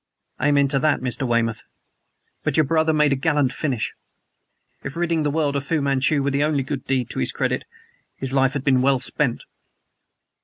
"Amen to that, Mr. Weymouth. But your brother made a gallant finish. If ridding the world of Fu Manchu were the only good deed to his credit, his life had been well spent."